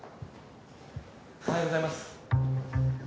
おはようございます。